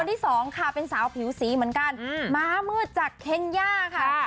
ที่สองค่ะเป็นสาวผิวสีเหมือนกันม้ามืดจากเคนย่าค่ะ